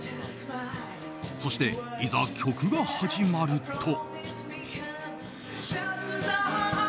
そして、いざ曲が始まると。